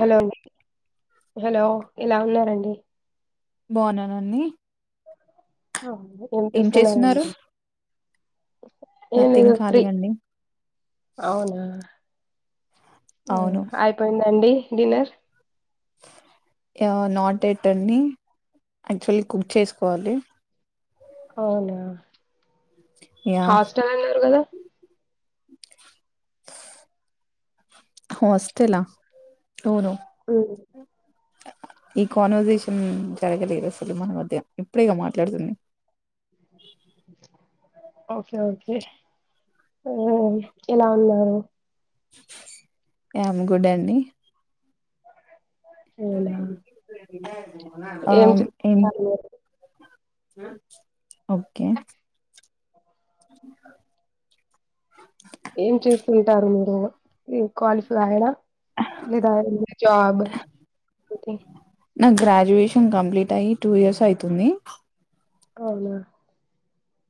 Hello అండి hello ఎలా ఉన్నారంండి బాగున్నానండి ఏం చేస్తున్నారు ఏపిస్తున్నానండి ఏంది నథింగ్ ఇ ఖాళీ ఫ్రీ అండి అవునా ఆ అవును అయిపోయిందండి డిన్నర్ నాట్ ఎట్ అండి యాక్చువల్లీ కుక్ చేసుకోవాలి అవునా యా హాస్టల్ అన్నారు కదా హాస్టలా అవును ఉమ్, ఈ కాన్వర్సేషన్ జరగలేదు అసలు మన మధ్య ఇప్పుడేగా మాట్లాడుతుంది. ఓకే ఓకే ఎలా ఉన్నారు. యామ్ గుడ్ అండి అవునా అ ఏం చే [inaudible] ఆ ఓకే ఓ మీరు క్వాలిఫైడా లేద ఏదైనా జాబ్ నా గ్రాడ్యుయేషన్ కంప్లీట్ అయ్యి టూ ఇయర్స్ అయితుంది. అవునా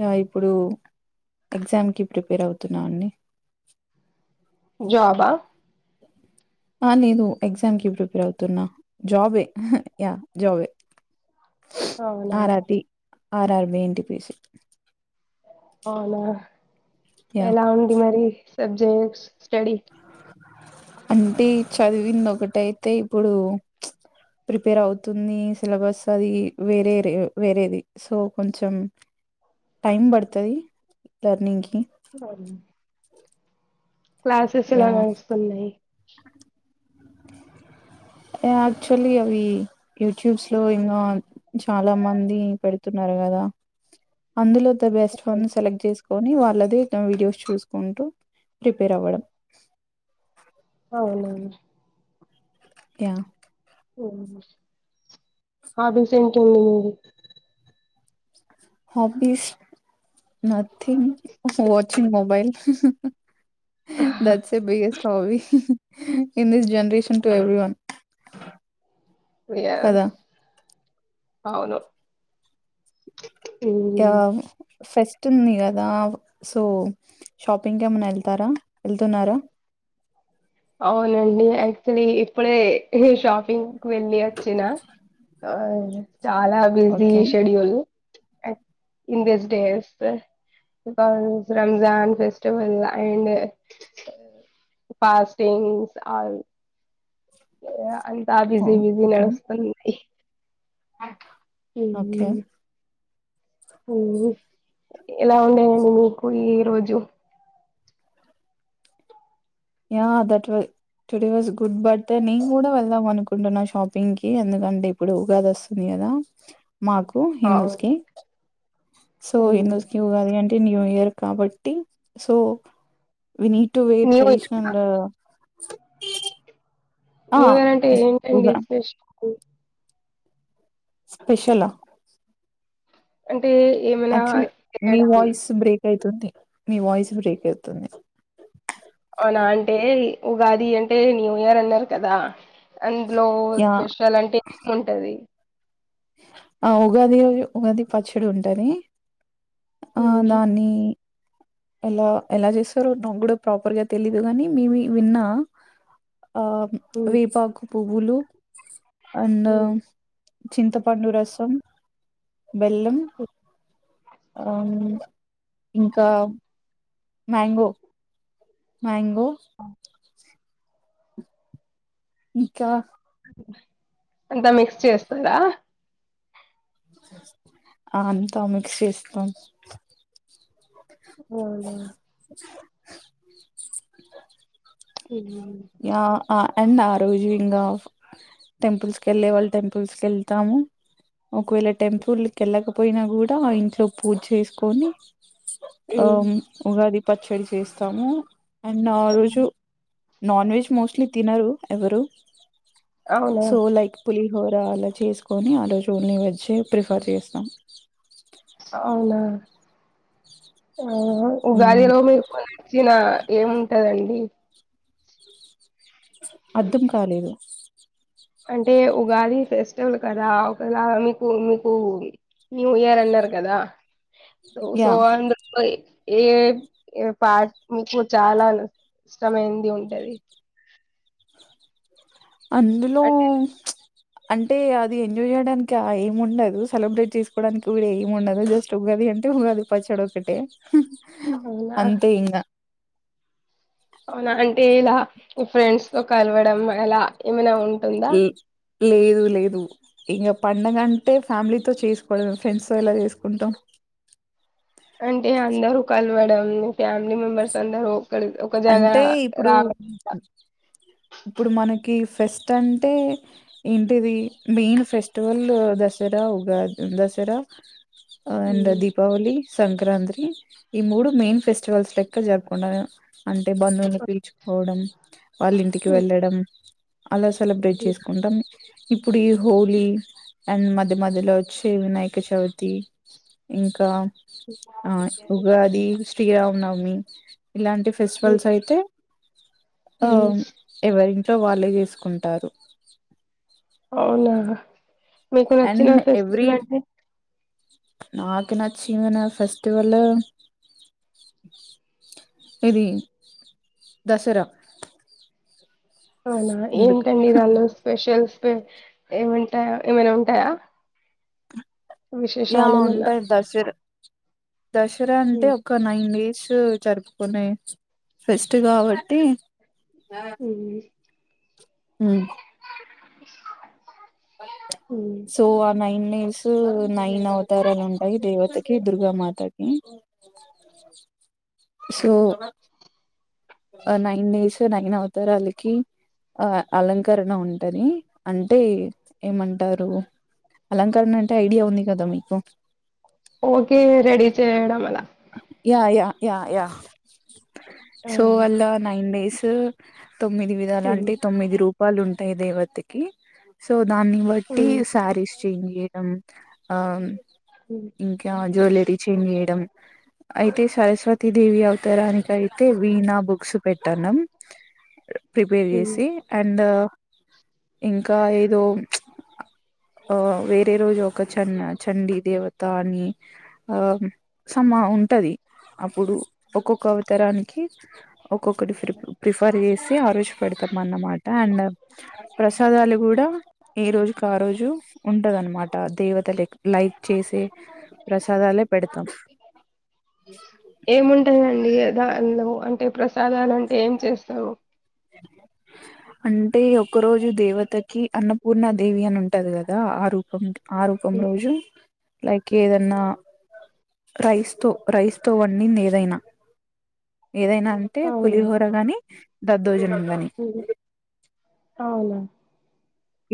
యా ఇప్పుడు ఎగ్జామ్కి ప్రిపేర్ అవుతున్నా అండి. జాబ్ ఆ ఆ నేను ఎగ్జామ్కి ప్రిపేర్ అవుతున్నా జాబే యా జాబే అవునా R R B N T P C అవునా యా ఎలా ఉంది మరి సబ్జెక్ట్స్ స్టడీ అంటే చదివింది ఒకటైతే ఇప్పుడు ప్రిపేర్ అవుతుంది సిలబస్ అది వేరేరే వేరేది సో కొంచెం టైం పడుతది లర్నింగ్కి లర్నింగ్ క్లాసెస్ ఎలా యా నడుస్తున్నాయి. యాక్చువల్లీ అవి యూట్యూబ్స్ లో ఇన్ ఆల్ చాలా మంది పెడుతున్నారు కదా అందులో ద బస్ట్ వన్ నీ సెలెక్ట్ చేస్ కొని వాళ్ళది వీడియోస్ చూసుకుంటూ ప్రిపేర్ అవ్వడం. అవునా యా ఉమ్ హాబీస్ ఏంటి మీవి మరి హబీస్ నథింగ్ వాచింగ్ మొబైల్ మీవి that's the biggest hobby in this generation to everyone yeah కదా అవును య మ్మ్ సెట్ వస్తుంది కదా సో షాపింగ్ కి ఏమన్నా వెళ్తారా వెళ్తున్నారా అవునండి యాక్చులీ ఇప్పుడే షాపింగ్ వెళ్ళి వచ్చిన ఆ చాలా busy okay. Schedule in this days bus Ramzan festival and పా తేన్స్ ఆరు ఏ అది ఆ బిజీ ఓహ్! Busy okay. నడుస్తుంది అ ఓకే ఇలా ఉండేండి మీకు ఈ రోజు yeah that today was good birthday నేను కూడా వెళ్దాం అనుకుంటున్నా షాపింగ్ కి ఎందుకంటే ఇప్పుడు ఉగాది వస్తుంది కదా మాకు హిందూస్ అవును కి సో హిందూస్ కీ న్యూ ఉగాది న్యూ ఇయర్ కాబట్టి సో విీడ్ టు వే ట్రె ఇయర్ చే అందులో ఇగరంటే ఎ ఏంటండి ఉగా ఇన్స్పిరేషన్ కు స్పెషలా అంటే ఏమైనా ఆత్క్చులీ మీ చేయడం వయిస్ బ్రేక్ అవుతుంది మీ వాయిస్ బ్రేక్ అవుతుంది అవునా అంటే ఉగాది అంటే న్యూ ఇయర్ అన్నారు కదా అందులో యాహ్! స్పెషల్ అంటే ఏం ఉంటది ఆ ఉగాది ఉగాది పచ్చడి ఉంటాది ఆ ఉమ్, దాన్ని ఎలా ఎలా చేస్తారో నాకు కూడా ప్రాపర్గా తెలీదు గాని మేబి విన్నా ఆ ఉమ్, వేపాకు పూవులు అండ్ ఉమ్. చింతపండు రసం బెల్లం అ ఇంకా మ్యాంగో మ్యాంగో కు ఇక అంతా మిక్స్ చేస్తారా ఆ అంతా మిక్స్ చేస్తాం అవునవును ఏం లేదు ఆ అండ్ ఆ రోజు ఇంకా టెంపుల్స్ కి వెళ్ళే వాళ్ళు టెంపుల్స్ కి వెళ్తాము ఒకవేళ టెంపుల్ కి వెళ్లకపోతే పోయినా కూడా ఇంట్లో పూజ చేసుకొని అ ఉమ్, ఉగాది పచ్చడి చేస్తాము అండ్ ఆ రోజు నాన్ వెజ్ మోస్ట్లీ తినరు ఎవరు అవునా సో లైక్ పులీస్ పులిహోర అలా చేసుకొని ఆ రోజుల్ని వెజ్ ప్రిఫర్ చేస్తాం [inaudible] ఆ ఉగాది మ్మ్. లో మీకు నచ్చిన ఏముంటదండి అర్థం కాలేదు అంటే ఉగాది ఫెస్టివల్ కదా ఒకేలా మీకు మీకు న్యూ ఇయర్ అన్నారు కదా సో యా అందుకు ఏ పా మీకు చాలా ఇష్టమైంది ఉంటది [unintelligible] అందులో అంటే అంటే అది ఎంజాయ్ చేయడానికి ఆ ఏం ఉండదు సెలబ్రేట్ చేసుకోవడానికి కూడా ఏమి ఉండదు జస్ట్ ఉగాది అంటే ఉగాది పచ్చడి ఒకటే అవునా అంతే ఇంకా అవునా అంటే ఇలా ఫ్రెండ్స్ తో కలవడం అలా ఏమైనా ఉ ఉంటుందా ల్- లేదు లేదు ఇంకా పండగంటే ఫ్యామిలీతో చేసుకోవడమే ఫ్రెండ్స్ తో ఎలా చేసుకుంటాం అంటే అందరూ కలవడం ఫ్యామిలీ మెంబర్స్ అందరూ ఒకరి ఒక జాగా అంటే ఇప్పుడు రావడం ఇప్పుడు మనకి ఫెస్ట్ అంటే ఏంటిది main festival Dasara Ugadi Dasara and um. Deepavali Sankranti ఈ మూడు మెయిన్ ఫెస్టివల్స్ లెక్క జరుపుకుంట నేను అంటే బంధువుని పీల్చుకోవడం వాళ్ళ ఇంటికి వెళ్ళడం అలా సెలబ్రేట్ ఉమ్. చేసుకుంటాం ఇ పుడి హోలీ అండ్ మధ్య మధ్యలో వచ్చి వినాయక చవితి ఇంకా ఆ ఉగాది శ్రీరామనవమి ఇలాంటి ఫెస్టివల్స్ అయితే ఆ ఉమ్. ఎవరి చో వాళ్ళే చేసుకుంటారు అవునా మీకు నచ్చిన అండ్ ఎవ్రీ ఫెస్టివల్ అండి నాకు నచ్చిన ఫెస్టివల్ ఇది దసరా అవునా ఎందుకు ఏంటండి దానిలో స్పెషల్ ఏమంటాయా ఏమనా ఉంటాయా యా విశేషాలు ఏమన్నా ఉంటాయిదసరా దసరా అంటే ఒక నైన్ డే జరుపుకునే ఫెస్ట్ కాబట్టి ఊ హు సో ఆ నైన్ నైస్ నైన్ అవతారాలు ఉంటాయి దేవతకి దుర్గామాతకి సో ఆ నైన్ డేస్ నైన్ అవతార వాళ్ళకి ఆ అలంకరణ ఉంటది అంటే ఏమంటారు అలంకరణ అంటే ఐడియా ఉంది కదా మీకు ఓకే రెడీ చేయడం ఎలా yeah yeah yeah yeah so ఆహా అల్లా నైన్ డేస్ స తొమ్మిది విధాలు అంటే తొమ్మిది రూ వాళ్ళు ఉంటాయి దేవతకి సో దాన్ని బట్టి సారీస్ [unintelligible] ఆం ఇంకా అ [inaudible] జువలరీ చెంజ్ చేయడం అయితే సరస్వతీ దేవి అవతరానికి అయితే వీణ బుక్స్ పెట్టానం ప్రిపేర్ చేసి అండ్ ఇంకా ఏదో ఆ వేరే రోజు ఒక చన్ చండీ దేవత అని ఆ సమా ఉంటాది అప్పుడు ఒక్కొక్క అవతరాని కి ఒక్కొక్కటి ప్ర ప్రిఫర్ చేసి ఆ రోజు పెడతాం అన్నమాట అండ్ ప్రసాదాలు కూడా ఏ రోజుకి ఆ రోజు ఉంటదనమాట దేవతలకి లైక్ చేసే ప్రసాదాలే పెడతాం ఏముంటాదండి దాలు అంటే ప్రసాదాలు అంటే ఏం చేస్తారు అంటే ఒక రోజు దేవతకి అన్నపూర్ణ దేవి అని ఉంటది కదా ఆ రూపం ఆ రూపం రోజు లైక్ ఏదన్నా రైస్ తో రైస్ తో వండింది ఏదైనా ఏదైనా అంటే పులిహోర గాని దద్ దోజనం ఉహు అవునా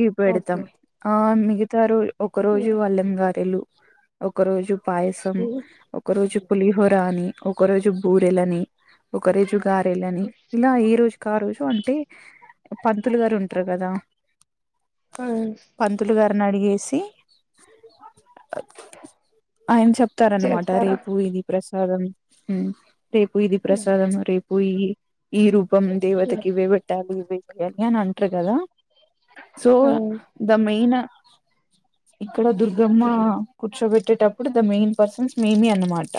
ఇవి పెడతాం ఓకే ఆ ఆన్ని ఇతరుల్ ఒక రోజు అల్లం గారెలు ఒకరోజు పాయసం ఒక రోజు పులిహోర అని ఒక రోజు బూరెలని ఒక రోజు గారెలని ఇలా ఈ రోజుకి ఆ రోజు అంటే పంతులు గారు ఉంటరు కదా ఆ పంతులు గా [inaudible] అడిగేసి ఆయన చెప్ ప్తారనమాట చేస్తారా రేపు ఇది ప్రశ్ కదం ఉమ్ రేపు ఇది ఆ ప్రసాదం రే పొయ్యి ఈ రూపం దేవతకి ఇవే పెట్టాలి ఇవి యజ్ఞాన్ని అంటరు కదా సో ద మెయినా ఇక్కడ దుర్గమ్మ కూర్చోబెట్టేటప్పుడు ద మెయిన్ పర్సన్స్ మేమే అన్నమాట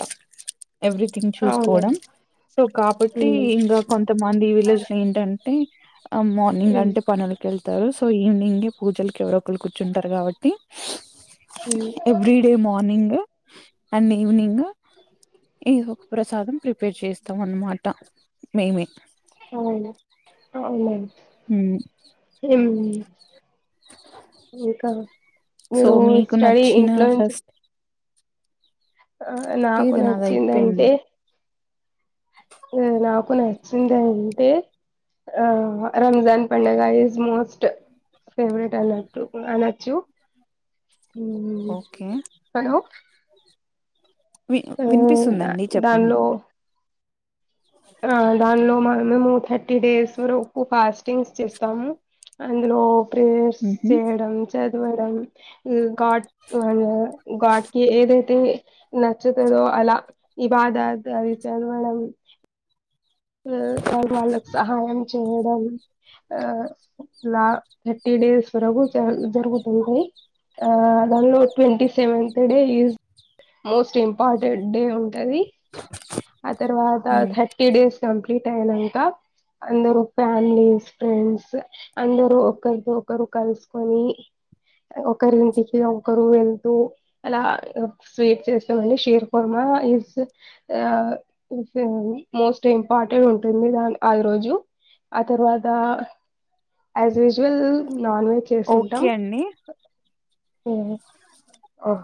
ఎవ్రీథింగ్ అవునండి చూసుకోవడం సో కాబట్టి ఉమ్, ఇంకా కొంతమంది విలేజ్ లో ఏంటంటే ఆ మార్నింగ్ ఉమ్, అంటే పనులకి వెళ్త తారు సో ఈవినింగ్ పూజలకి ఎవరో ఒకలు కుచుంటారు కాబట్టి టి um, every day morning and evening ఇది ఒక ప్రసాదం ప్ర ప్రిపేర్ చేస్తాం అన్నమాట మేమే అవును అవునా ఉ [inaudible] ఇంకా సో మీరు మీకు స్టడీ నచ్చిన ఇంట్లో నుంచి ఫస్ట్ ఆ నాకు లేదు నాది అయిపోయింది నచ్చిందంటే ఈ నాకు నచ్చింది అంటే ఆ రంజాన్ పండగ ఈజ్ మోస్ట్ ఫేవరెట్ అన్నట్టు అనచ్చు ఉ ఓకే హలో వి వినిపిస్తుందండి చెప్పండి దానిలో ఆ దానిలో మనమేమో థర్టీ డేస్ వరకు ఫాస్టింగ్స్ చేస్తాము అందులో ప్రేర్స్ చెయ్యడం చద్ మేడం గాడ్ మన గాడ్ కి ఏదైతే నచ్చుతుదో అలా ఈ బాధ [unintelligible] వాళ్ళ వాళ్ళక్ సహాయం చేయ్ చేయడం ఆ లా థర్టీ డేస్ వరకు జ జరుగుతుంది ఆ దానిలో twenty seventh day is most important day ఉంటది ఆ తర్వాత థర్టీ డేస్ కంప్లీట్ అయినాక అందరు ఫ్యామిలీస్ ఫ్రెండ్స్ అందరు ఒకరికి ఒకరు కలుసుకొని ఒకరింటికి ఒకరు వెళ్తూ అలా స్వీట్ చేసమండి షీర్ కుర్మ ఇస్ ఆ ఇంతేనండి మోస్ట్ ఇంపార్టెంట్ ఉంటుంది దానీ ఆ రోజు ఆ తర్వాత ఆస్ యూజ్వల్ నాన్ వెజ్ చేసివుంటాం ఓకే అండి ఓ ఓ